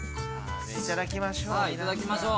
いただきましょう。